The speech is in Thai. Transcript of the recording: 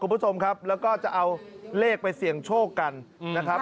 คุณผู้ชมครับแล้วก็จะเอาเลขไปเสี่ยงโชคกันนะครับ